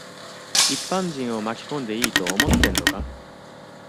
一般人を巻き込んでいいと思ってんのか。